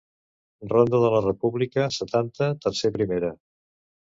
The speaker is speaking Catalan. Ronda de la república, setanta, tercer primera.